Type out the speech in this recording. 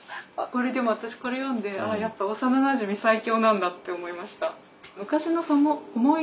でも私これ読んでやっぱ幼なじみ最強なんだって思いました。